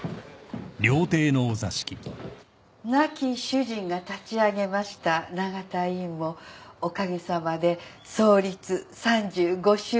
亡き主人が立ち上げました永田医院もおかげさまで創立３５周年を迎えます。